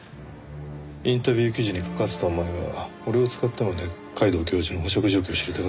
インタビュー記事に関わってたお前が俺を使ってまで皆藤教授の保釈状況を知りたがってる。